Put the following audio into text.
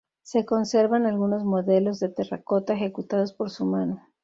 Se conservan algunos modelos de terracota ejecutados por su mano.